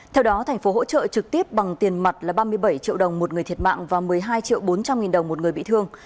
theo đó thành phố hỗ trợ trực tiếp bằng tiền mặt là ba mươi bảy triệu đồng một người thiệt mạng và một mươi hai triệu bốn trăm linh nghìn đồng một người bị thương